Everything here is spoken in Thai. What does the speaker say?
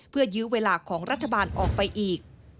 เพื่อยื้อเวลาของรัฐบาลออกไปอีก